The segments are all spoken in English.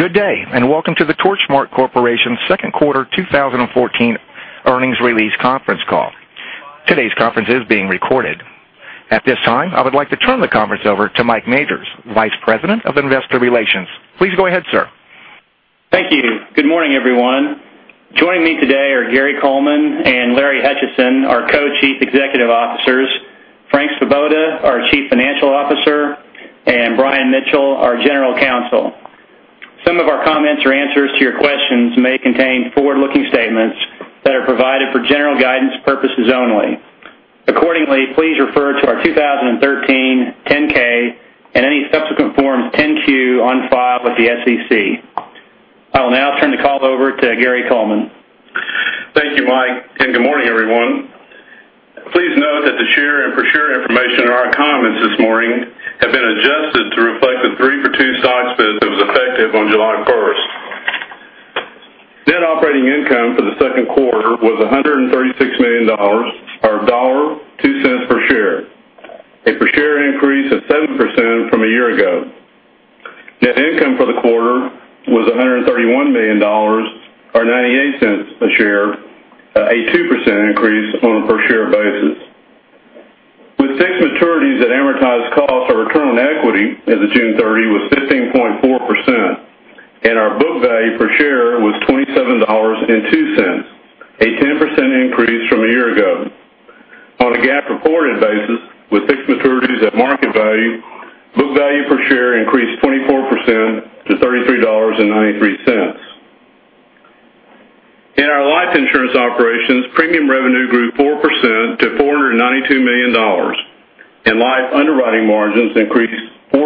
Good day, and welcome to the Torchmark Corporation second quarter 2014 earnings release conference call. Today's conference is being recorded. At this time, I would like to turn the conference over to Mike Majors, Vice President of Investor Relations. Please go ahead, sir. Thank you. Good morning, everyone. Joining me today are Gary Coleman and Larry Hutchison, our Co-Chief Executive Officers, Frank Svoboda, our Chief Financial Officer, and Brian Mitchell, our General Counsel. Some of our comments or answers to your questions may contain forward-looking statements that are provided for general guidance purposes only. Accordingly, please refer to our 2013 10-K and any subsequent Forms 10-Q on file with the SEC. I will now turn the call over to Gary Coleman. Thank you, Mike, good morning, everyone. Please note that the share and per share information in our comments this morning have been adjusted to reflect the three-for-two stock split that was effective on July 1st. Net operating income for the second quarter was $136 million, or $1.02 per share, a per share increase of 7% from a year ago. Net income for the quarter was $131 million, or $0.98 a share, a 2% increase on a per share basis. With fixed maturities at amortized cost, our return on equity as of June 30 was 15.4%, and our book value per share was $27.02, a 10% increase from a year ago. On a GAAP-reported basis, with fixed maturities at market value, book value per share increased 24% to $33.93. In our life insurance operations, premium revenue grew 4% to $492 million, and life underwriting margins increased 4%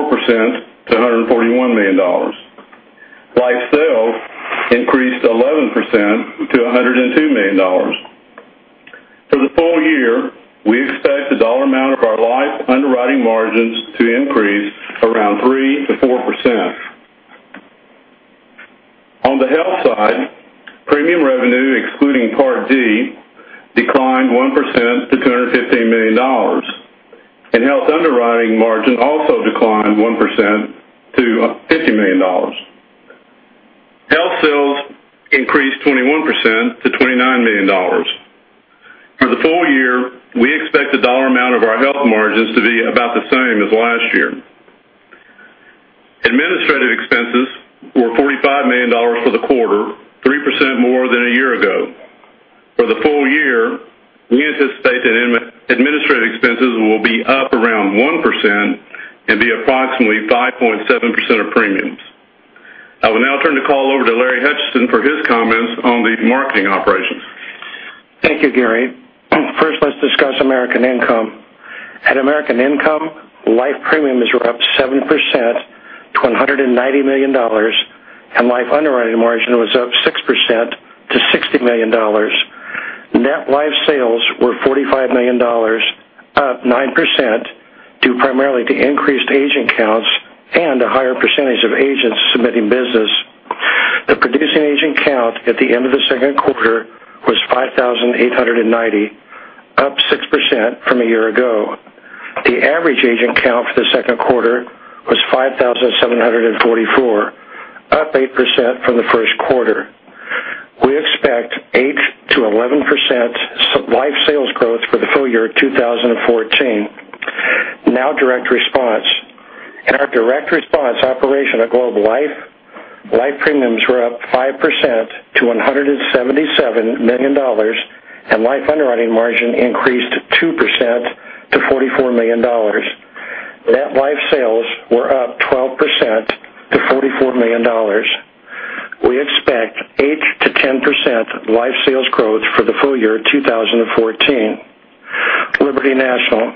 to $141 million. Life sales increased 11% to $102 million. For the full year, we expect the dollar amount of our life underwriting margins to increase around 3%-4%. On the health side, premium revenue, excluding Part D, declined 1% to $215 million, and health underwriting margin also declined 1% to $50 million. Health sales increased 21% to $29 million. For the full year, we expect the dollar amount of our health margins to be about the same as last year. Administrative expenses were $45 million for the quarter, 3% more than a year ago. For the full year, we anticipate that administrative expenses will be up around 1% and be approximately 5.7% of premiums. I will now turn the call over to Larry Hutchison for his comments on the marketing operations. Thank you, Gary. First, let's discuss American Income. At American Income, life premiums were up 7% to $190 million, and life underwriting margin was up 6% to $60 million. Net life sales were $45 million, up 9% due primarily to increased agent counts and a higher percentage of agents submitting business. The producing agent count at the end of the second quarter was 5,890, up 6% from a year ago. The average agent count for the second quarter was 5,744, up 8% from the first quarter. We expect 8%-11% life sales growth for the full year 2014. Now, Direct Response. In our Direct Response operation at Globe Life, life premiums were up 5% to $177 million, and life underwriting margin increased 2% to $44 million. Net life sales were up 12% to $44 million. We expect 8%-10% life sales growth for the full year 2014. Liberty National.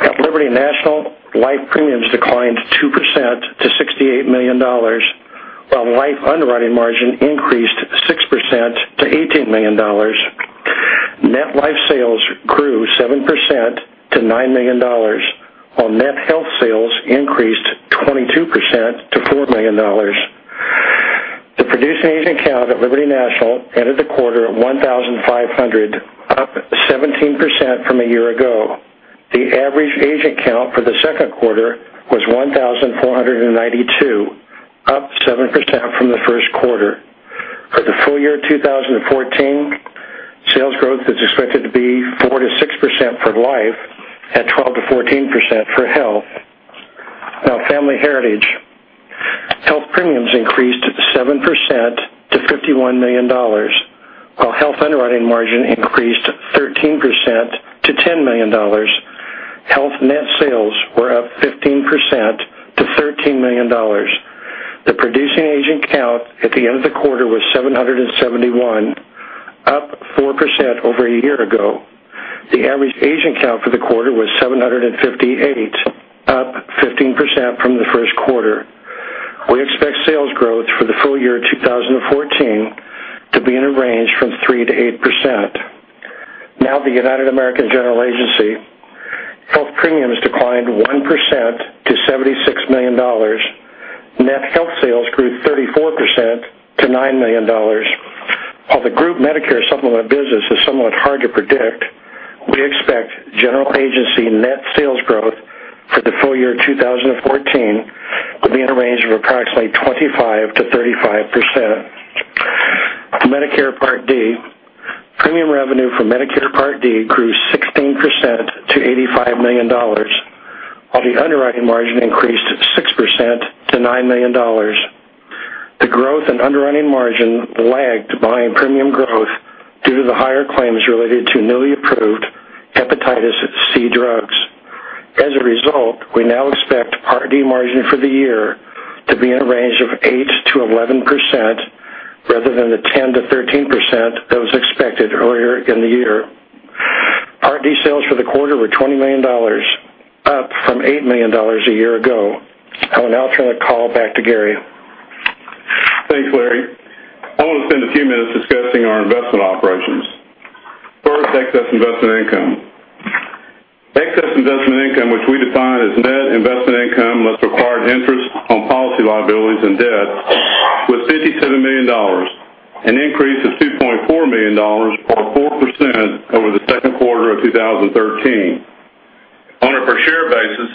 At Liberty National, life premiums declined 2% to $68 million, while life underwriting margin increased 6% to $18 million. Net life sales grew 7% to $9 million, while net health sales increased 22% to $4 million. The producing agent count at Liberty National ended the quarter at 1,500, up 17% from a year ago. The average agent count for the second quarter was 1,492, up 7% from the first quarter. For the full year 2014, sales growth is expected to be 4%-6% for life and 12%-14% for health. Now, Family Heritage. Health premiums increased 7% to $51 million, while health underwriting margin increased 13% to $10 million. Health net sales were up 15% to $13 million. The producing agent count at the end of the quarter was 771, up 4% over a year ago. The average agent count for the quarter was 758, up 15% from the first quarter. We expect sales growth for the full year 2014 to be in a range from 3%-8%. Now, the United American General Agency. Health premiums declined 1% to $76 million. Net health sales grew 34% to $9 million, while the group Medicare Supplement business is somewhat hard to predict. The net sales growth for the full year 2014 will be in a range of approximately 25%-35%. For Medicare Part D, premium revenue from Medicare Part D grew 16% to $85 million, while the underwriting margin increased 6% to $9 million. The growth in underwriting margin lagged behind premium growth due to the higher claims related to newly approved hepatitis C drugs. As a result, we now expect Part D margin for the year to be in a range of 8%-11%, rather than the 10%-13% that was expected earlier in the year. Part D sales for the quarter were $20 million, up from $8 million a year ago. I will now turn the call back to Gary. Thanks, Larry. First, excess investment income. Excess investment income, which we define as net investment income less required interest on policy liabilities and debt, was $57 million, an increase of $2.4 million, or 4%, over the second quarter of 2013. On a per share basis,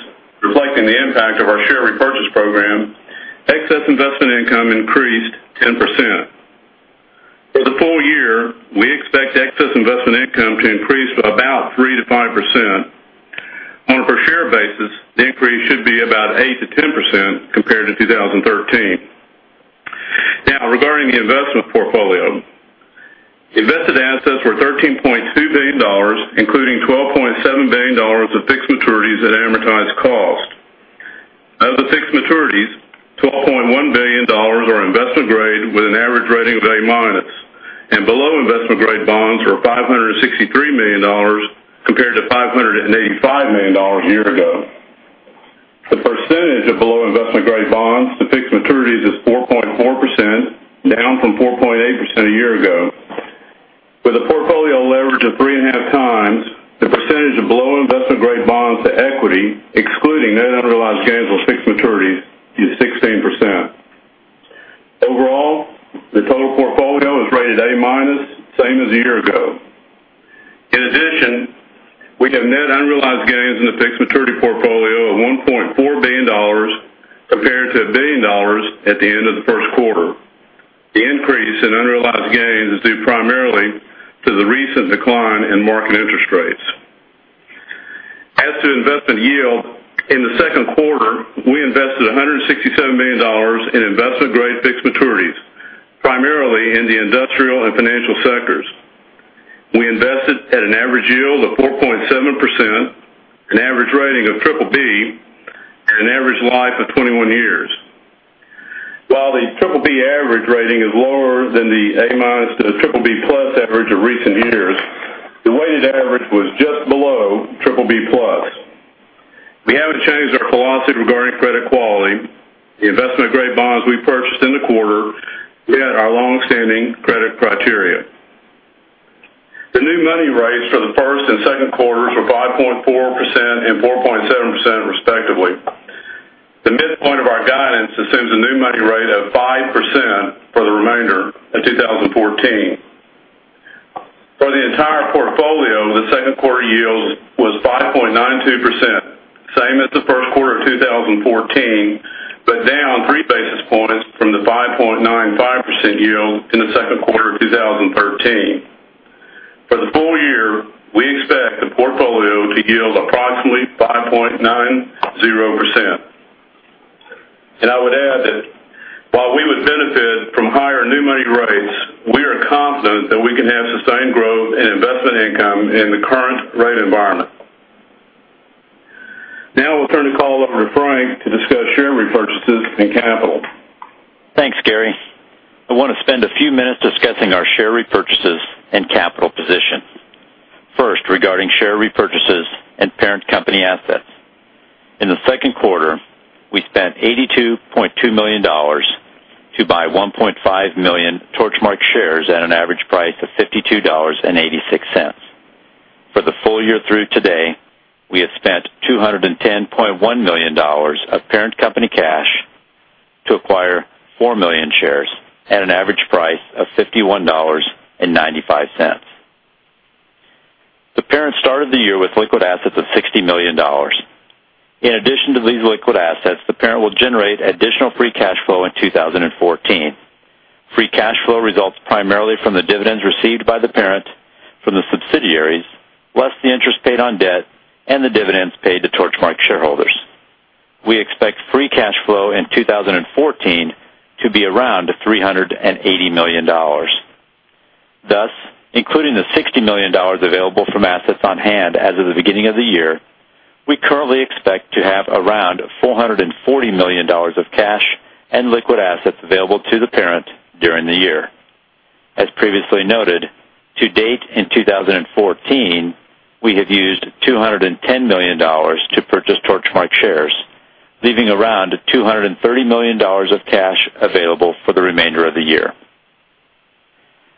reflecting the impact of our share repurchase program, excess investment income increased 10%. For the full year, we expect excess investment income to increase by about 3%-5%. On a per share basis, the increase should be about 8%-10% compared to 2013. Now, regarding the investment portfolio, invested assets were $13.2 billion, including $12.7 billion of fixed maturities at amortized cost. Of the fixed maturities, $12.1 billion are investment grade, with an average rating of A-, and below investment-grade bonds were $563 million compared to $585 million a year ago. The percentage of below investment-grade bonds to fixed maturities is 4.4%, down from 4.8% a year ago. With a portfolio leverage of three and a half times, the percentage of below investment-grade bonds to equity, excluding net unrealized gains on fixed maturities, is 16%. Overall, the total portfolio is rated A-, same as a year ago. In addition, we have net unrealized gains in the fixed maturity portfolio of $1.4 billion compared to $1 billion at the end of the first quarter. The increase in unrealized gains is due primarily to the recent decline in market interest rates. As to investment yield, in the second quarter, we invested $167 million in investment-grade fixed maturities, primarily in the industrial and financial sectors. We invested at an average yield of 4.7%, an average rating of BBB, and an average life of 21 years. While the BBB average rating is lower than the A- to BBB+ average of recent years, the weighted average was just below BBB+. We haven't changed our philosophy regarding credit quality. The investment-grade bonds we purchased in the quarter met our longstanding credit criteria. The new money rates for the first and second quarters were 5.4% and 4.7%, respectively. The midpoint of our guidance assumes a new money rate of 5% for the remainder of 2014. For the entire portfolio, the second quarter yield was 5.92%, same as the first quarter of 2014, but down three basis points from the 5.95% yield in the second quarter of 2013. For the full year, we expect the portfolio to yield approximately 5.90%. I would add that while we would benefit from higher new money rates, we are confident that we can have sustained growth in investment income in the current rate environment. Now I'll turn the call over to Frank to discuss share repurchases and capital. Thanks, Gary. I want to spend a few minutes discussing our share repurchases and capital position. First, regarding share repurchases and parent company assets. In the second quarter, we spent $82.2 million to buy 1.5 million Torchmark shares at an average price of $52.86. For the full year through today, we have spent $210.1 million of parent company cash to acquire four million shares at an average price of $51.95. The parent started the year with liquid assets of $60 million. In addition to these liquid assets, the parent will generate additional free cash flow in 2014. Free cash flow results primarily from the dividends received by the parent from the subsidiaries, less the interest paid on debt and the dividends paid to Torchmark shareholders. We expect free cash flow in 2014 to be around $380 million. Including the $60 million available from assets on hand as of the beginning of the year, we currently expect to have around $440 million of cash and liquid assets available to the parent during the year. As previously noted, to date in 2014, we have used $210 million to purchase Torchmark shares, leaving around $230 million of cash available for the remainder of the year.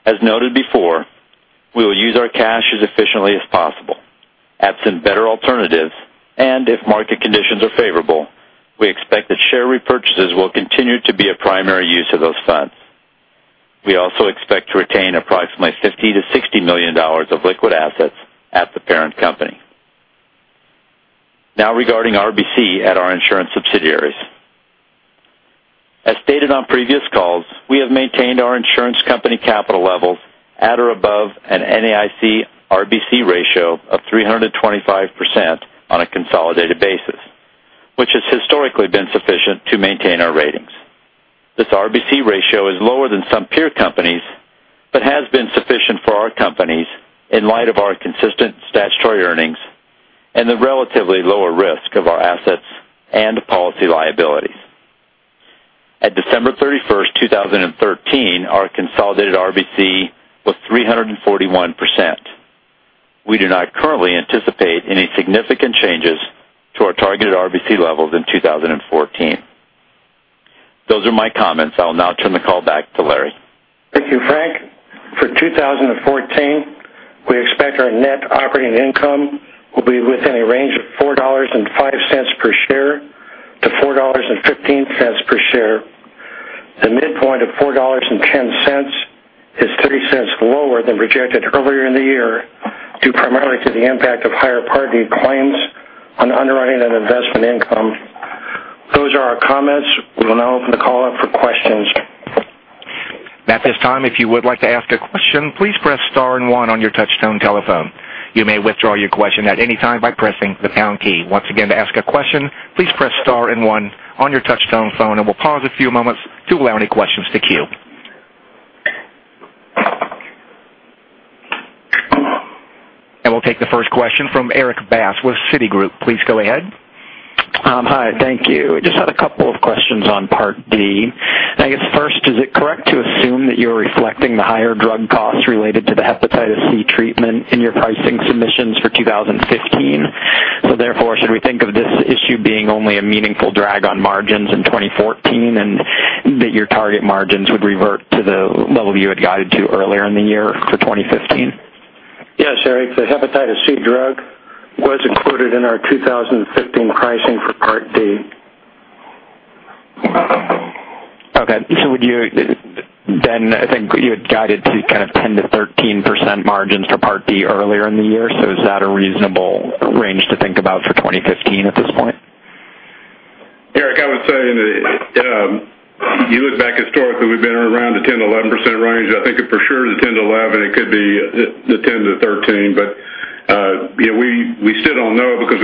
As noted before, we will use our cash as efficiently as possible. Absent better alternatives, and if market conditions are favorable, we expect that share repurchases will continue to be a primary use of those funds. We also expect to retain approximately $50 million-$60 million of liquid assets at the parent company. Now, regarding RBC at our insurance subsidiaries. As stated on previous calls, we have maintained our insurance company capital levels at or above an NAIC RBC ratio of 325% on a consolidated basis, which has historically been sufficient to maintain our ratings. This RBC ratio is lower than some peer companies, but has been sufficient for our companies in light of our consistent statutory earnings and the relatively lower risk of our assets and policy liabilities. At December 31st, 2013, our consolidated RBC was 341%. We do not currently anticipate any significant changes to our targeted RBC levels in 2014. Those are my comments. I'll now turn the call back to Larry. Thank you, Frank. For 2014, we expect our net operating income will be within a range of $4.05 per share-$4.15 per share. The midpoint of $4.10 is $0.30 lower than projected earlier in the year, due primarily to the impact of higher Part D claims on underwriting and investment income. Those are our comments. We will now open the call up for questions. At this time, if you would like to ask a question, please press star and one on your touchtone telephone. You may withdraw your question at any time by pressing the pound key. Once again, to ask a question, please press star and one on your touchtone phone, and we'll pause a few moments to allow any questions to queue. We'll take the first question from Erik Bass with Citigroup. Please go ahead. Hi. Thank you. Just had a couple of questions on Part D. I guess first, is it correct to assume that you're reflecting the higher drug costs related to the hepatitis C treatment in your pricing submissions for 2015? Therefore, should we think of this issue being only a meaningful drag on margins in 2014, and that your target margins would revert to the level you had guided to earlier in the year for 2015? Yes, Erik, the hepatitis C drug was included in our 2015 pricing for Part D. Okay. I think you had guided to kind of 10%-13% margins for Part D earlier in the year, is that a reasonable range to think about for 2015 at this point? Erik, I would say that if you look back historically, we've been around the 10%-11% range. I think for sure the 10-11, it could be the 10-13, but we still don't know because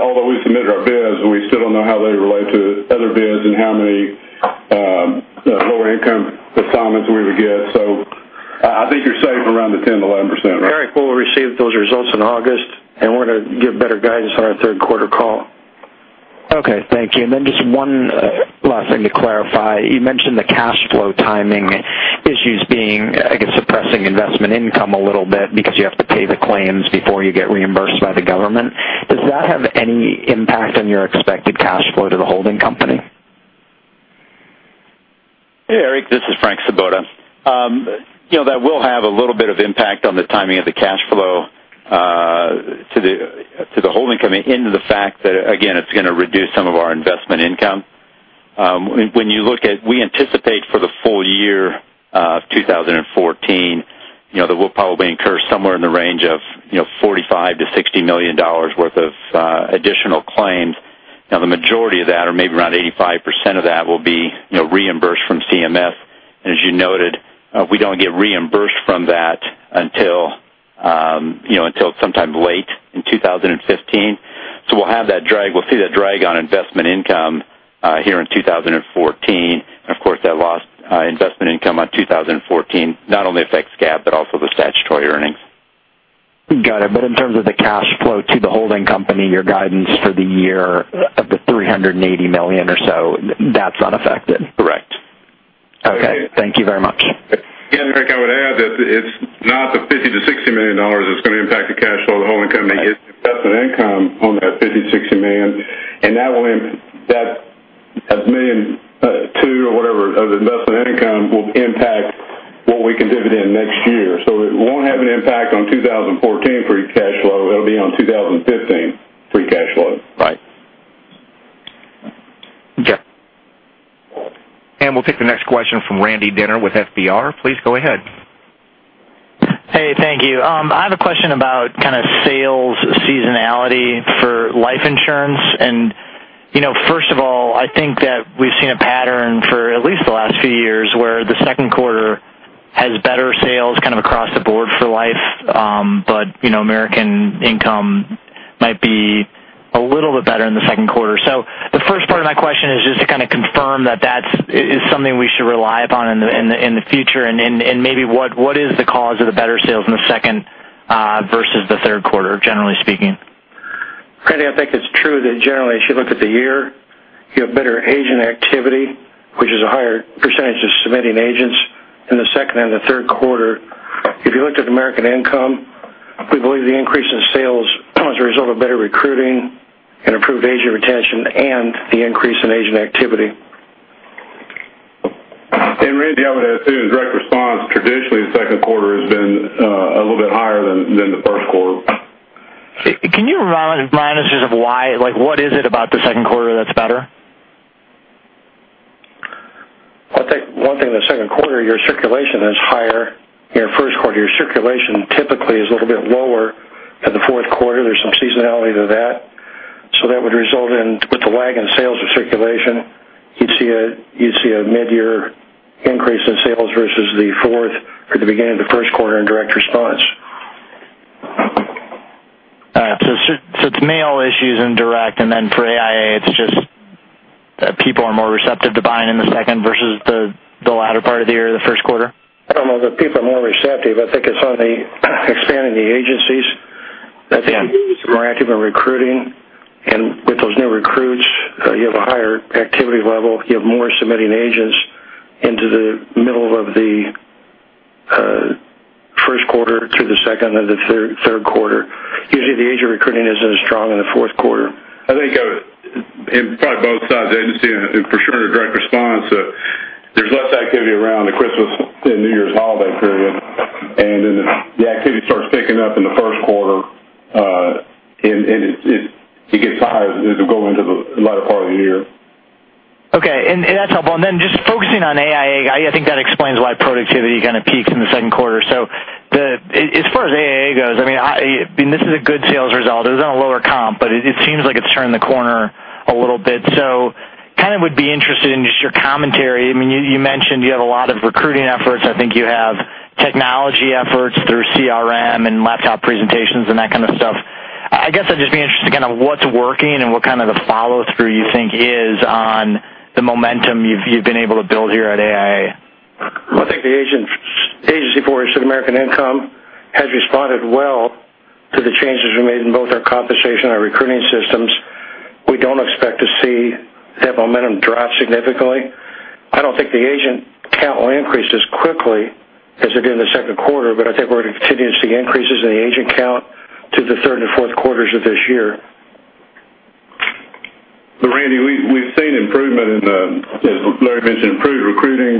although we submitted our bids, we still don't know how they relate to other bids and how many lower income assignments we would get. I think you're safe around the 10%-11% range. Erik, we'll receive those results in August. We're going to give better guidance on our third quarter call. Okay, thank you. Then just one last thing to clarify. You mentioned the cash flow timing issues being, I guess, suppressing investment income a little bit because you have to pay the claims before you get reimbursed by the government. Does that have any impact on your expected cash flow to the holding company? Hey, Eric, this is Frank Svoboda. That will have a little bit of impact on the timing of the cash flow to the holding company in the fact that, again, it's going to reduce some of our investment income. When you look at, we anticipate for the full year of 2014, that we'll probably incur somewhere in the range of $45 million-$60 million worth of additional claims. The majority of that, or maybe around 85% of that, will be reimbursed from CMS. As you noted, we don't get reimbursed from that until sometime late in 2015. We'll have that drag, we'll see that drag on investment income here in 2014. Of course, that lost investment income on 2014 not only affects GAAP, but also the statutory earnings. Got it. In terms of the cash flow to the holding company, your guidance for the year of the $380 million or so, that's unaffected? Correct. Okay. Thank you very much. Frank, I would add that it's not the $50 million-$60 million that's going to impact the cash flow of the holding company. It's investment income on that $50 million, $60 million, and that million 2 or whatever of investment income will impact what we can dividend next year. It won't have an impact on 2014 free cash flow. It'll be on 2015 free cash flow. Right. Okay. We'll take the next question from Randy Binner with FBR. Please go ahead. Hey, thank you. I have a question about kind of sales seasonality for life insurance. First of all, I think that we've seen a pattern for at least the last few years where the second quarter has better sales kind of across the board for life. American Income might be a little bit better in the second quarter. The first part of my question is just to kind of confirm that that is something we should rely upon in the future, and maybe what is the cause of the better sales in the second versus the third quarter, generally speaking? Randy, I think it's true that generally, as you look at the year, you have better agent activity, which is a higher percentage of submitting agents in the second and the third quarter. If you looked at American Income, we believe the increase in sales was a result of better recruiting and improved agent retention and the increase in agent activity. Randy, than the first quarter. Can you remind us just of why? What is it about the second quarter that's better? I think one thing in the second quarter, your circulation is higher. In the first quarter, your circulation typically is a little bit lower than the fourth quarter. There's some seasonality to that. That would result in, with the lag in sales of circulation, you'd see a mid-year increase in sales versus the fourth or the beginning of the first quarter in Direct Response. All right. It's mail issues in Direct, and then for AIA, it's just that people are more receptive to buying in the second versus the latter part of the year or the first quarter? I don't know if the people are more receptive. I think it's on the expanding the agencies. Okay. That the agencies are more active in recruiting. With those new recruits, you have a higher activity level. You have more submitting agents into the middle of the first quarter through the second or the third quarter. Usually, the agent recruiting isn't as strong in the fourth quarter. I think in probably both sides of the agency, and for sure in Direct Response, there's less activity around the Christmas and New Year's holiday period. Then the activity starts picking up in the first quarter, and it gets higher as we go into the latter part of the year. Okay. That's helpful. Then just focusing on AIA, I think that explains why productivity kind of peaks in the second quarter. As far as AIA goes, this is a good sales result. It was on a lower comp, but it seems like it's turning the corner a little bit. Kind of would be interested in just your commentary. You mentioned you have a lot of recruiting efforts. I think you have technology efforts through CRM and laptop presentations and that kind of stuff. I guess I'd just be interested in kind of what's working and what kind of the follow-through you think is on the momentum you've been able to build here at AIA. Well, I think the agency for American Income Life has responded well to the changes we made in both our compensation and recruiting systems. We don't expect to see that momentum drop significantly. I don't think the agent count will increase as quickly as it did in the second quarter, but I think we're going to continue to see increases in the agent count to the third and fourth quarters of this year. Randy, we've seen improvement in the, as Larry mentioned, improved recruiting,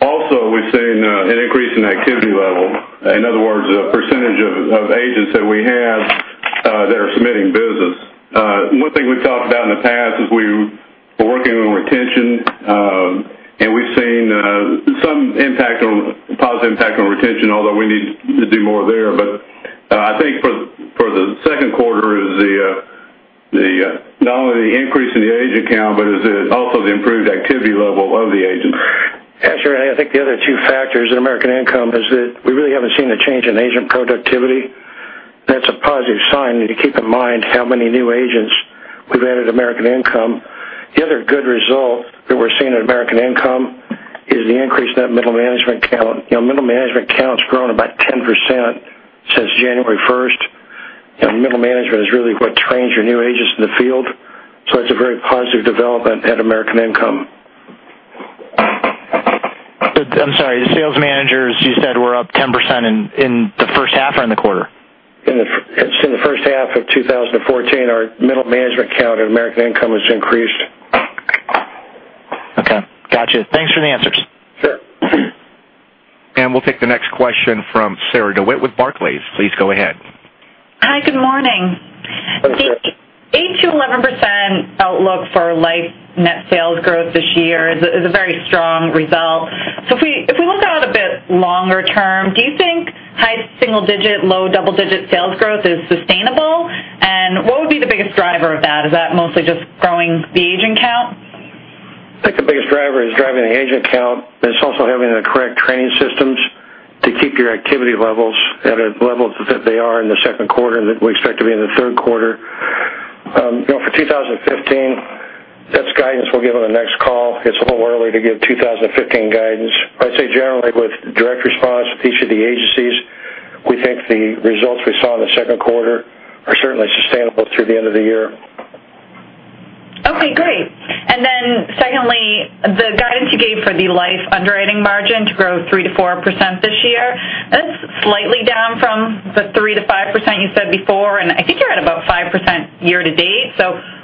also we've seen an increase in activity level. In other words, the percentage of agents that we have that are submitting business. One thing we've talked about in the past is we were working on retention, we've seen some positive impact on retention, although we need to do more there. I think for the second quarter is not only the increase in the agent count, but also the improved activity level of the agent. Yeah. Sure. I think the other two factors in American Income is that we really haven't seen a change in agent productivity. That's a positive sign. Need to keep in mind how many new agents we've added at American Income. The other good result that we're seeing at American Income is the increase in that middle management count. Middle management count's grown about 10% since January 1st. Middle management is really what trains your new agents in the field. That's a very positive development at American Income. I'm sorry, the sales managers you said were up 10% in the first half or in the quarter? It's in the first half of 2014, our middle management count at American Income has increased. Okay. Gotcha. Thanks for the answers. Sure. We'll take the next question from Sarah DeWitt with Barclays. Please go ahead. Hi. Good morning. Good morning. The 8%-11% outlook for life net sales growth this year is a very strong result. If we look out a bit longer term, do you think high single digit, low double-digit sales growth is sustainable? What would be the biggest driver of that? Is that mostly just growing the agent count? I think the biggest driver is driving the agent count. It's also having the correct training systems to keep your activity levels at a level such that they are in the second quarter and that we expect to be in the third quarter. For 2015, that's guidance we'll give on the next call. It's a little early to give 2015 guidance. I'd say generally with Direct Response, each of the agencies, we think the results we saw in the second quarter are certainly sustainable through the end of the year. Okay. Great. Secondly, the guidance you gave for the life underwriting margin to grow 3%-4% this year, that's slightly down from the 3%-5% you said before, and I think you're at about 5% year-to-date.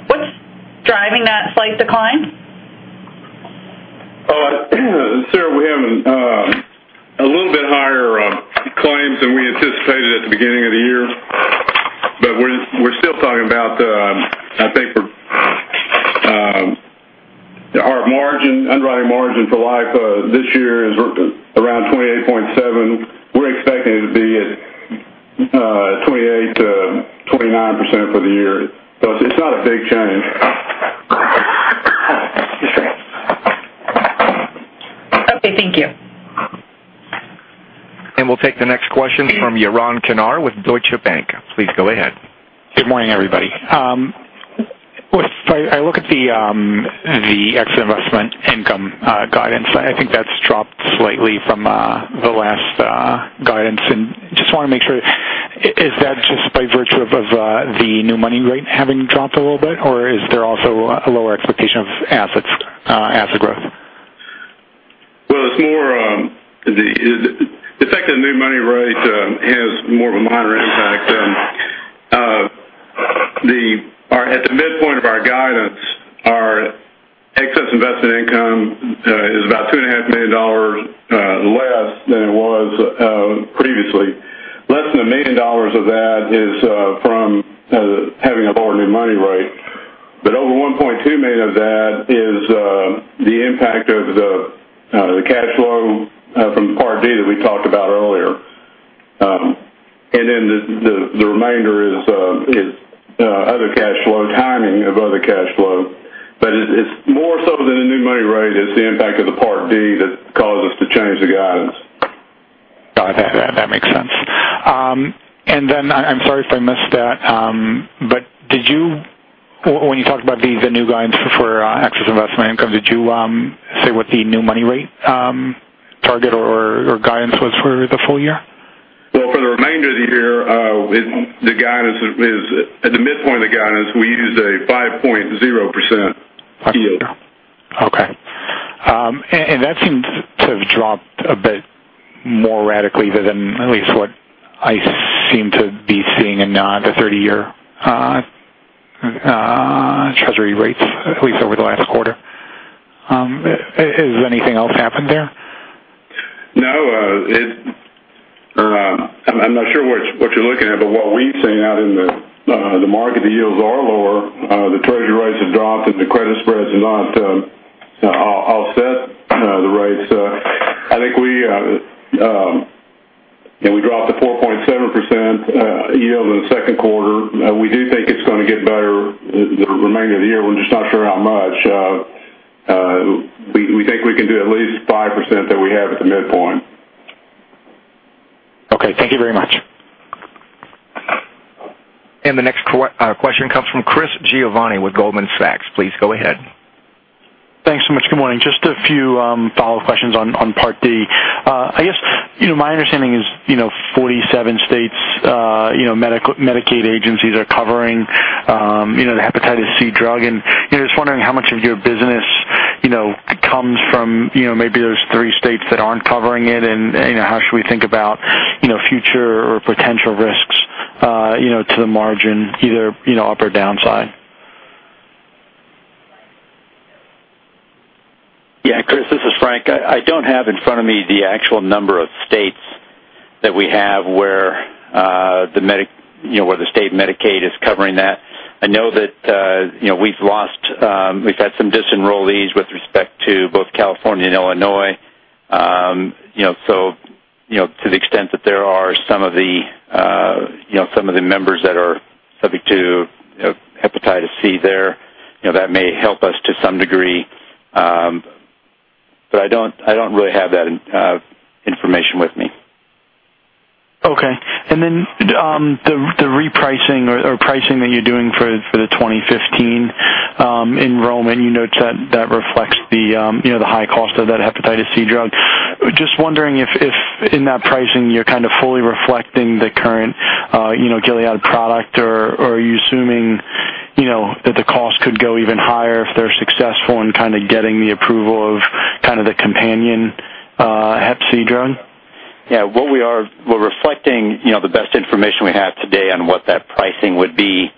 What's driving that slight decline? Sarah, we have a little bit higher claims than we anticipated at the beginning of the year. We're still talking about, I think our underwriting margin for life this year is around 28.7%. We're expecting it to be at 28%-29% for the year. It's not a big change. Excuse me. Okay. Thank you. We'll take the next question from Yaron Kinar with Deutsche Bank. Please go ahead. Good morning, everybody. If I look at the exit investment income guidance, I think that's dropped slightly from the last guidance, just want to make sure, is that just by virtue of the new money rate having dropped a little bit, or is there also a lower expectation of asset growth? Well, it's more the effect of the new money rate about $2.5 million less than it was previously. Less than $1 million of that is from having a lower new money rate. Over $1.2 million of that is the impact of the cash flow from Part D that we talked about earlier. The remainder is other cash flow timing of other cash flow. It's more so than the new money rate, it's the impact of the Part D that caused us to change the guidance. Got it. That makes sense. I'm sorry if I missed that, when you talked about the new guidance for excess investment income, did you say what the new money rate, target, or guidance was for the full year? Well, for the remainder of the year, at the midpoint of the guidance, we used a 5.0% yield. Okay. That seems to have dropped a bit more radically than at least what I seem to be seeing in the 30-year treasury rates, at least over the last quarter. Has anything else happened there? No. I'm not sure what you're looking at, but what we've seen out in the market, the yields are lower. The treasury rates have dropped, and the credit spreads have not offset the rates. I think we dropped to 4.7% yield in the second quarter. We do think it's going to get better the remainder of the year. We're just not sure how much. We think we can do at least 5% that we have at the midpoint. Okay. Thank you very much. The next question comes from Chris Giovanni with Goldman Sachs. Please go ahead. Thanks so much. Good morning. Just a few follow-up questions on Part D. I guess my understanding is 47 states' Medicaid agencies are covering the hepatitis C drug. Just wondering how much of your business comes from maybe those three states that aren't covering it, and how should we think about future or potential risks to the margin, either up or downside? Yeah. Chris, this is Frank. I don't have in front of me the actual number of states that we have where the state Medicaid is covering that. I know that we've had some disenrollees with respect to both California and Illinois. To the extent that there are some of the members that are subject to hepatitis C there, that may help us to some degree. I don't really have that information with me. Okay. Then the repricing or pricing that you're doing for the 2015 enrollment, you note that reflects the high cost of that hepatitis C drug. Just wondering if in that pricing, you're kind of fully reflecting the current Gilead product, or are you assuming that the cost could go even higher if they're successful in kind of getting the approval of kind of the companion hep C drug? Yeah. We're reflecting the best information we have today on what that pricing would be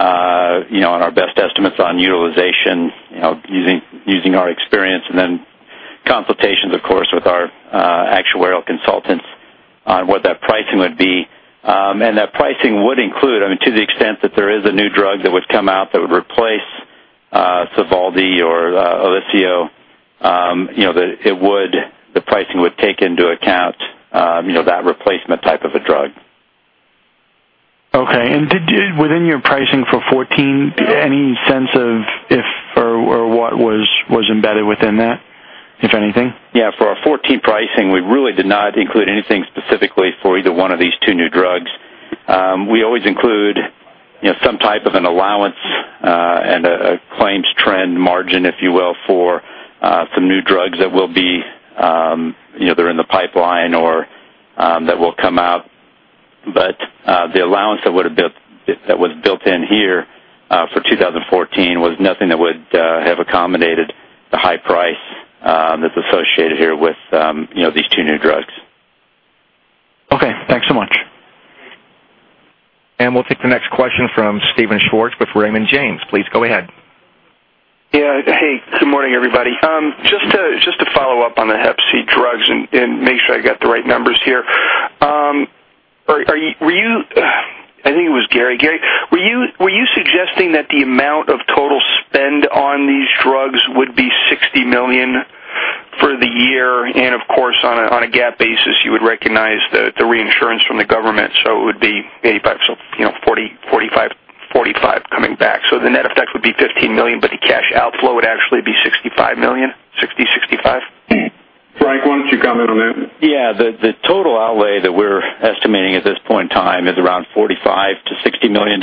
on our best estimates on utilization using our experience and then consultations, of course, with our actuarial consultants on what that pricing would be. That pricing would include, to the extent that there is a new drug that would come out that would replace Sovaldi or Olysio, the pricing would take into account that replacement type of a drug. Okay. Within your pricing for 2014, any sense of if or what was embedded within that, if anything? Yeah. For our 2014 pricing, we really did not include anything specifically for either one of these two new drugs. We always include some type of an allowance and a claims trend margin, if you will, for some new drugs that are in the pipeline or that will come out. The allowance that was built in here for 2014 was nothing that would have accommodated the high price that's associated here with these two new drugs. Okay. Thanks so much. We'll take the next question from Steven Schwartz with Raymond James. Please go ahead. Yeah. Hey, good morning, everybody. Just to follow up on the hep C drugs and make sure I got the right numbers here. I think it was Gary. Gary, were you suggesting that the amount of total spend on these drugs would be $60 million for the year? On a GAAP basis, you would recognize the reinsurance from the government. It would be $85, $45 coming back. The net effect would be $15 million, but the cash outflow would actually be $65 million, $60, $65? Frank, why don't you comment on that? Yeah. The total outlay that we're estimating at this point in time is around $45 million-$60 million.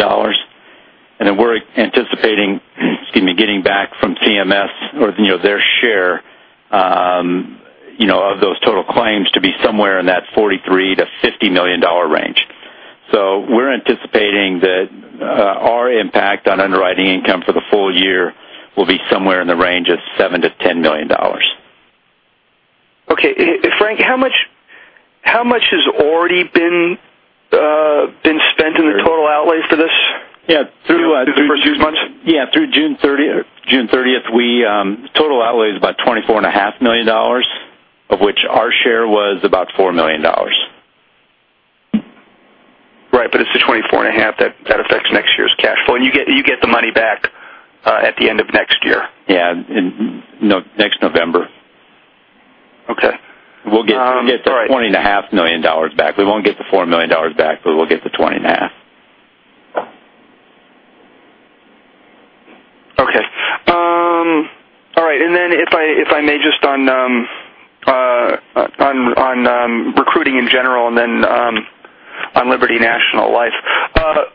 Then we're anticipating, excuse me, getting back from CMS or their share of those total claims to be somewhere in that $43 million-$50 million range. We're anticipating that our impact on underwriting income for the full year will be somewhere in the range of $7 million-$10 million. Okay. Frank, how much has already been. For this? Yeah. Through the first few months? Yeah, through June 30th, total outlay is about $24.5 million, of which our share was about $4 million. Right. It's the $24.5 that affects next year's cash flow. You get the money back at the end of next year. Yeah. Next November. Okay. We'll get the $20.5 million back. We won't get the $4 million back, but we'll get the $20 and a half. Okay. All right, if I may just on recruiting in general, then on Liberty National Life.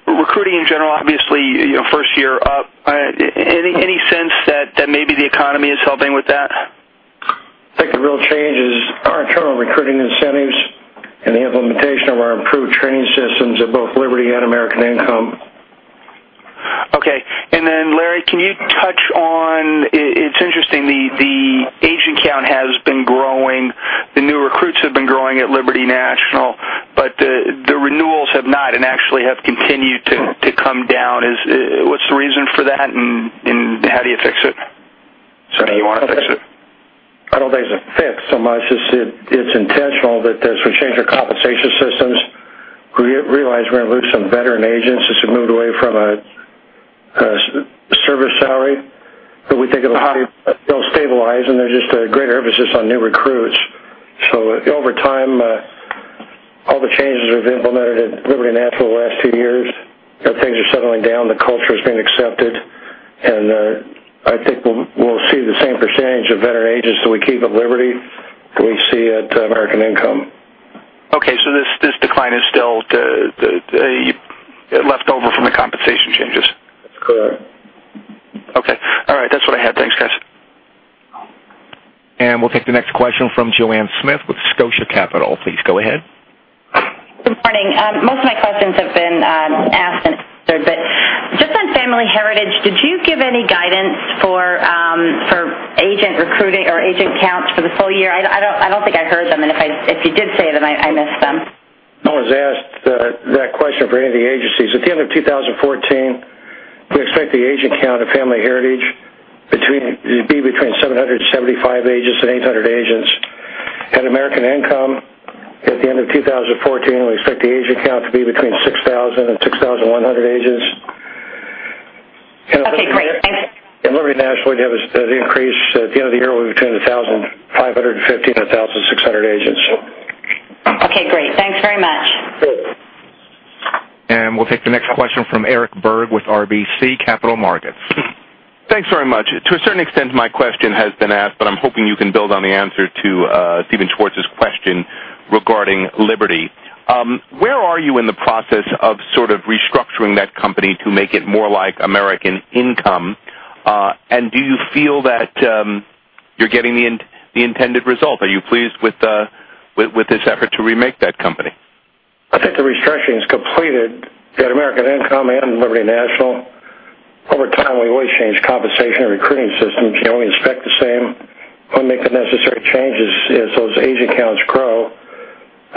Recruiting in general, obviously, first year up. Any sense that maybe the economy is helping with that? I think the real change is our internal recruiting incentives and the implementation of our improved training systems at both Liberty and American Income. Okay. Larry, can you touch on, it's interesting, the agent count has been growing, the new recruits have been growing at Liberty National, but the renewals have not and actually have continued to come down. What's the reason for that, and how do you fix it? Assuming you want to fix it. I don't think it's a fix so much as it's intentional that as we change our compensation systems, we realize we're going to lose some veteran agents as we move away from a service salary. We think it'll stabilize, and there's just a greater emphasis on new recruits. Over time, all the changes we've implemented at Liberty National the last two years, things are settling down. The culture is being accepted, and I think we'll see the same percentage of veteran agents that we keep at Liberty that we see at American Income. Okay. This decline is still left over from the compensation changes. That's correct. Okay. All right. That's what I had. Thanks, guys. We'll take the next question from Joan Smith with Scotia Capital. Please go ahead. Good morning. Most of my questions have been asked and answered, but just on Family Heritage, did you give any guidance for agent recruiting or agent counts for the full year? I don't think I heard them, and if you did say them, I missed them. No one's asked that question for any of the agencies. At the end of 2014, we expect the agent count of Family Heritage to be between 775 agents and 800 agents. At American Income, at the end of 2014, we expect the agent count to be between 6,000 and 6,100 agents. Okay, great. Thanks. At Liberty National, the increase at the end of the year will be between 1,550 and 1,600 agents. Okay, great. Thanks very much. Sure. We'll take the next question from Eric Berg with RBC Capital Markets. Thanks very much. To a certain extent, my question has been asked, but I'm hoping you can build on the answer to Steven Schwartz's question regarding Liberty. Where are you in the process of sort of restructuring that company to make it more like American Income? Do you feel that you're getting the intended result? Are you pleased with this effort to remake that company? I think the restructuring is completed at American Income and Liberty National. Over time, we always change compensation and recruiting systems, and we expect the same. We'll make the necessary changes as those agent counts grow.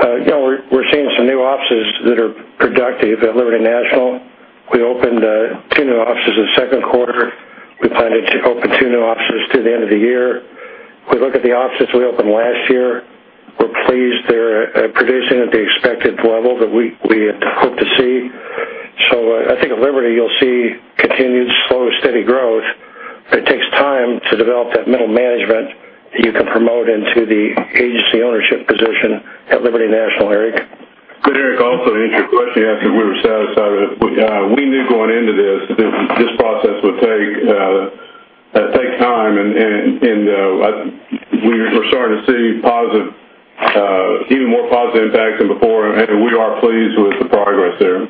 We're seeing some new offices that are productive at Liberty National. We opened two new offices in the second quarter. We plan to open two new offices through the end of the year. We look at the offices we opened last year. We're pleased they're producing at the expected level that we hope to see. I think at Liberty, you'll see continued slow, steady growth, but it takes time to develop that middle management that you can promote into the agency ownership position at Liberty National, Eric. Eric, also to answer your question, after we were satisfied with it, we knew going into this that this process would take time, and we're starting to see even more positive impact than before, and we are pleased with the progress there.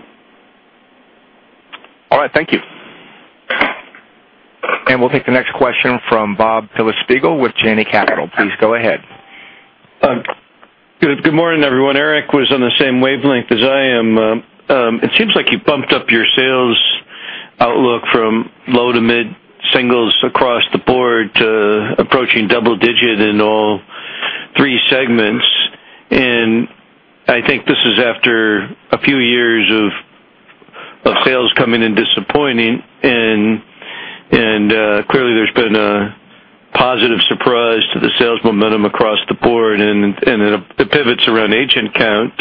All right, thank you. We'll take the next question from Bob Glasspiegel with Janney Capital. Please go ahead. Good morning, everyone. Eric was on the same wavelength as I am. It seems like you bumped up your sales outlook from low to mid singles across the board to approaching double-digit in all three segments. I think this is after a few years of sales coming in disappointing. Clearly, there's been a positive surprise to the sales momentum across the board and the pivots around agent count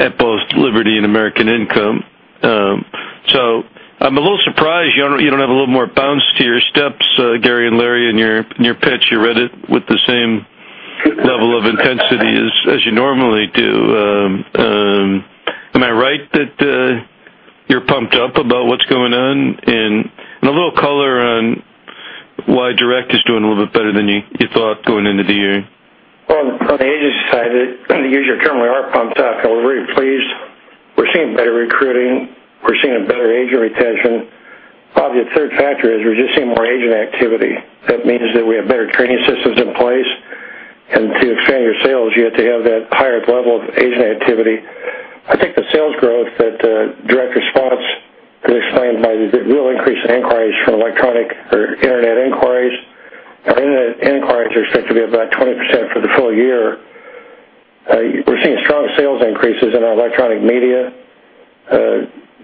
at both Liberty and American Income. I'm a little surprised you don't have a little more bounce to your steps, Gary and Larry, in your pitch. You read it with the same level of intensity as you normally do. Am I right that you're pumped up about what's going on and a little color on why Direct is doing a little bit better than you thought going into the year? Well, on the agency side, to use your term, we are pumped up and we're very pleased. We're seeing better recruiting. We're seeing a better agent retention. Probably a third factor is we're just seeing more agent activity. That means that we have better training systems in place, and to expand your sales, you have to have that higher level of agent activity. I think the sales growth at Direct Response is explained by the real increase in inquiries from electronic or internet. The inquiries are expected to be about 20% for the full year. We're seeing strong sales increases in our electronic media,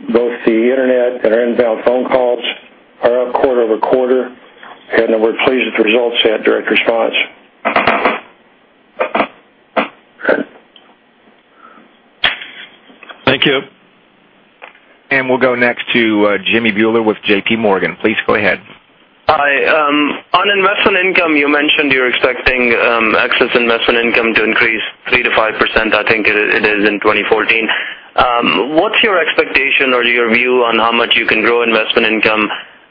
both the internet and our inbound phone calls are up quarter-over-quarter, and we're pleased with the results at Direct Response. Thank you. We'll go next to Jimmy Bhullar with JPMorgan. Please go ahead. Hi. On investment income, you mentioned you're expecting excess investment income to increase 3%-5%, I think it is, in 2014. What's your expectation or your view on how much you can grow investment income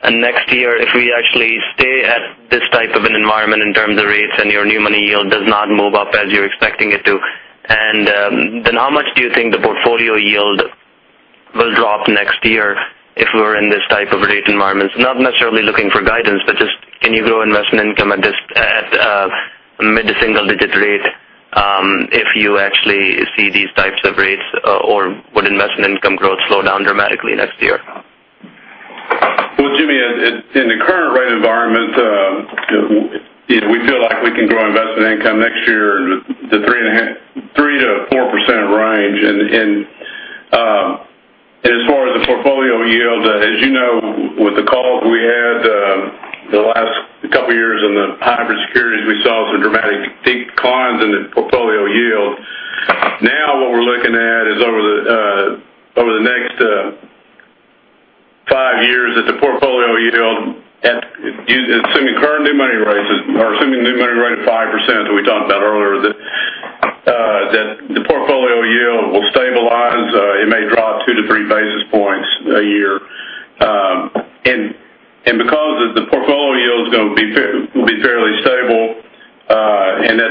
next year if we actually stay at this type of an environment in terms of rates and your new money yield does not move up as you're expecting it to? Then how much do you think the portfolio yield will drop next year if we're in this type of rate environment? Not necessarily looking for guidance, but just can you grow investment income at mid-single digit rate, if you actually see these types of rates or would investment income growth slow down dramatically next year? Well, Jimmy, in the current rate environment, we feel like we can grow investment income next year in the 3%-4% range. As far as the portfolio yield, as you know, with the calls we had the last couple of years on the hybrid securities, we saw some dramatic declines in the portfolio yield. Now what we're looking at is over the next five years, that the portfolio yield, assuming current new money rates or assuming new money rate of 5%, as we talked about earlier, that the portfolio yield will stabilize. It may drop two to three basis points a year. Because the portfolio yield is going to be fairly stable, and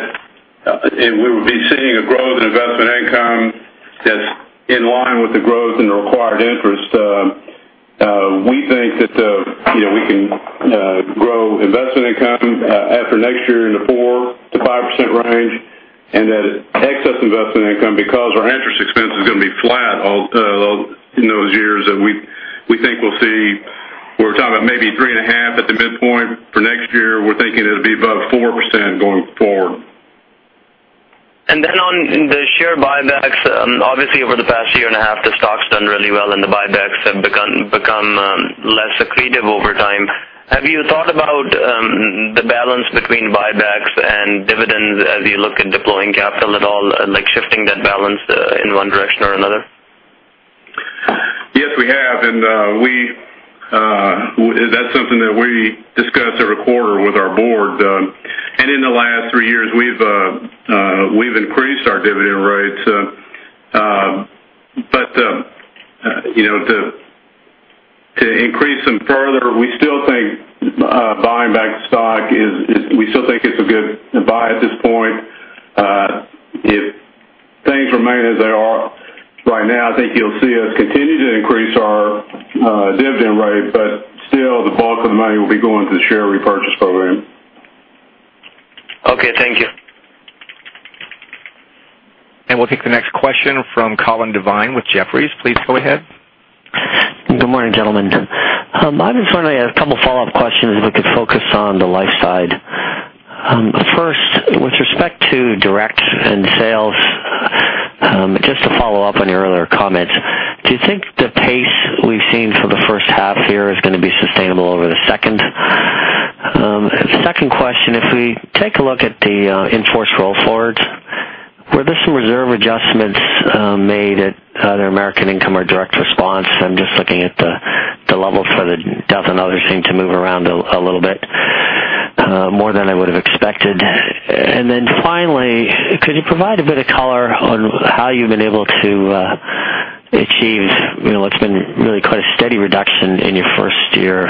we would be seeing a growth in investment income that's in line with the growth in the required interest, we think that we can grow investment income after next year in the 4%-5% range, and that excess investment income, because our interest expense is going to be flat in those years, that we think we'll see, we're talking about maybe 3.5% at the midpoint for next year. We're thinking it'll be above 4% going forward. On the share buybacks, obviously over the past year and a half, the stock's done really well and the buybacks have become less accretive over time. Have you thought about the balance between buybacks and dividends as you look at deploying capital at all, like shifting that balance in one direction or another? Yes, we have, and that's something that we discuss every quarter with our board. In the last three years, we've increased our dividend rates. To increase them further, we still think buying back stock is a good buy at this point. If things remain as they are right now, I think you'll see us continue to increase our dividend rate, but still, the bulk of the money will be going to the share repurchase program. Okay. Thank you. We'll take the next question from Colin Devine with Jefferies. Please go ahead. Good morning, gentlemen. I just want to ask two follow-up questions, if we could focus on the life side. First, with respect to Direct and sales, just to follow up on your earlier comments, do you think the pace we've seen for the first half here is going to be sustainable over the second? Second question, if we take a look at the in-force roll forwards, were there some reserve adjustments made at either American Income or Direct Response? I'm just looking at the levels for the death and other seem to move around a little bit more than I would have expected. Finally, could you provide a bit of color on how you've been able to achieve what's been really quite a steady reduction in your first year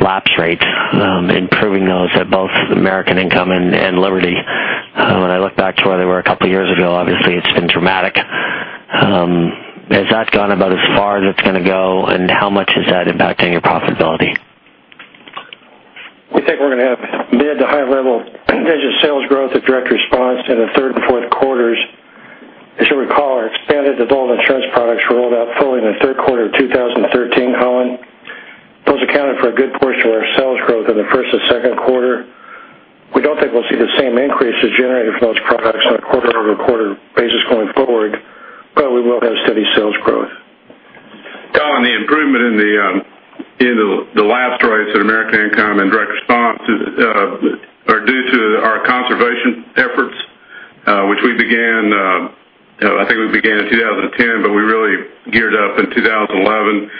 lapse rates, improving those at both American Income and Liberty? When I look back to where they were two years ago, obviously it's been dramatic. Has that gone about as far as it's going to go, and how much is that impacting your profitability? We think we're going to have mid to high level digit sales growth at Direct Response in the third and fourth quarters. As you recall, our expanded adult insurance products rolled out fully in the third quarter of 2013, Colin. Those accounted for a good portion of our sales growth in the first and second quarter. We don't think we'll see the same increases generated from those products on a quarter-over-quarter basis going forward, but we will have steady sales growth. Colin, the improvement in the lapse rates at American Income and Direct Response are due to our conservation efforts, which we began, I think we began in 2010, but we really geared up in 2011.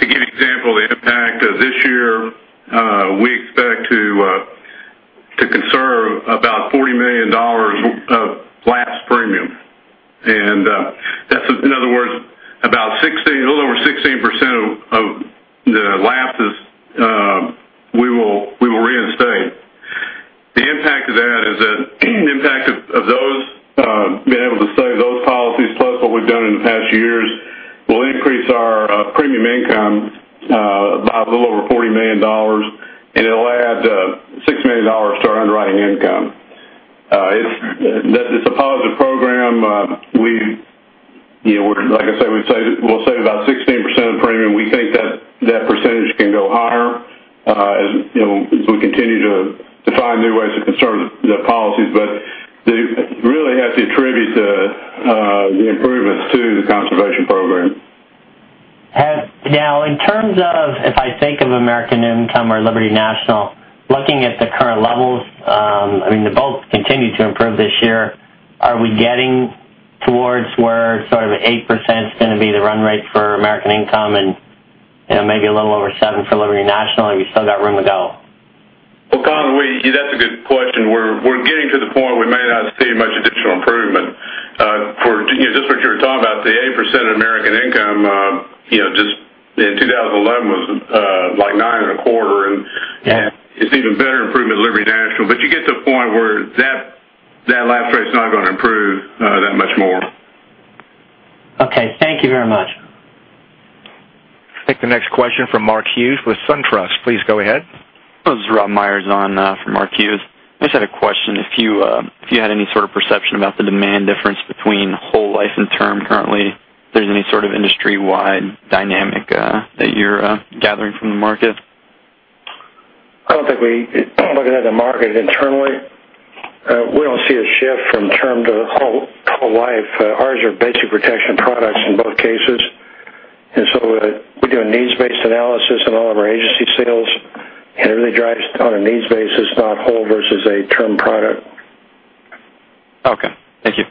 To give you an example of the impact, this year, we expect to conserve about $40 million of lapsed premium. That's, in other words, a little over 16% of the lapses we will reinstate. The impact of those, being able to save those policies plus what we've done in the past years, will increase our premium income by a little over $40 million, and it'll add $6 million to our underwriting income. It's a positive program. Like I said, we'll save about 16% of premium. We think that percentage can go higher as we continue to find new ways to conserve the policies. You really have to attribute the improvements to the conservation program. In terms of, if I think of American Income or Liberty National, looking at the current levels, they both continued to improve this year. Are we getting towards where 8% is going to be the run rate for American Income and maybe a little over 7% for Liberty National, or have you still got room to go? Colin, that's a good question. We're getting to the point we may not see much additional improvement. Just what you were talking about, the 8% of American Income, just in 2011 was, like 9.25%. Yeah. It's even better improvement at Liberty National. You get to a point where that lapse rate is not going to improve that much more. Okay. Thank you very much. Take the next question from Mark Hughes with SunTrust. Please go ahead. This is Rob Meyers on for Mark Hughes. I just had a question. If you had any sort of perception about the demand difference between whole life and term currently, if there's any sort of industry-wide dynamic that you're gathering from the market? I don't think we look at that in the market internally. We don't see a shift from term to whole life. Ours are basic protection products in both cases. We do a needs-based analysis on all of our agency sales, and everything drives on a needs basis, not whole versus a term product. Okay. Thank you.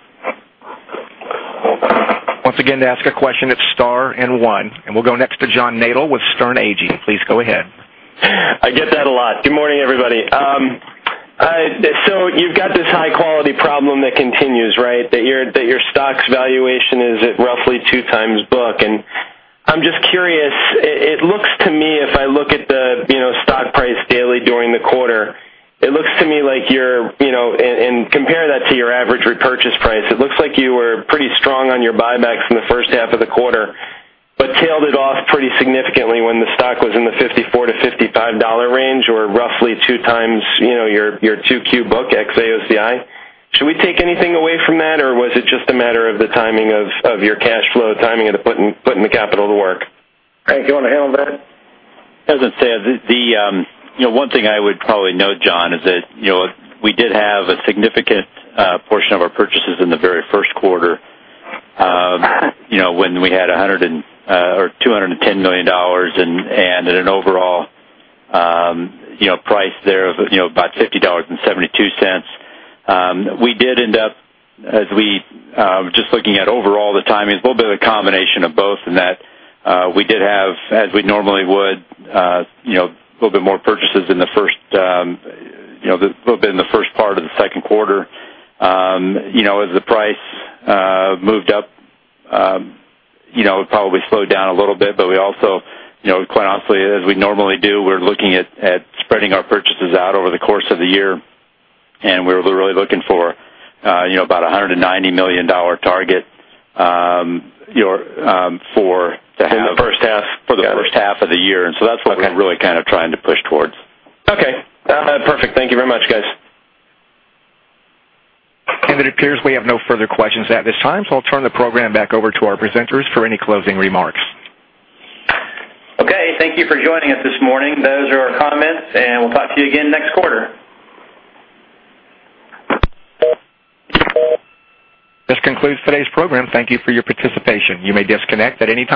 Once again, to ask a question, it's star and one. We'll go next to John Nadel with Sterne Agee. Please go ahead. I get that a lot. Good morning, everybody. You've got this high-quality problem that continues, right? That your stock's valuation is at roughly two times book. I'm just curious. It looks to me, if I look at the stock price daily during the quarter, and compare that to your average repurchase price, it looks like you were pretty strong on your buybacks in the first half of the quarter but tailed it off pretty significantly when the stock was in the $54-$55 range or roughly two times your 2Q book, ex AOCI. Should we take anything away from that, or was it just a matter of the timing of your cash flow, timing of putting the capital to work? Frank, you want to handle that? As I said, one thing I would probably note, John, is that we did have a significant portion of our purchases in the very first quarter when we had $210 million and at an overall price there of about $50.72. We did end up, just looking at overall the timing, it's a little bit of a combination of both in that we did have, as we normally would, a little bit more purchases in the first part of the second quarter. As the price moved up, it probably slowed down a little bit. We also, quite honestly, as we normally do, we're looking at spreading our purchases out over the course of the year, and we're really looking for about $190 million target for the half- In the first half. Got it. For the first half of the year. That's what we're really kind of trying to push towards. Okay. Perfect. Thank you very much, guys. It appears we have no further questions at this time. I'll turn the program back over to our presenters for any closing remarks. Okay. Thank you for joining us this morning. Those are our comments. We'll talk to you again next quarter. This concludes today's program. Thank you for your participation. You may disconnect at any time.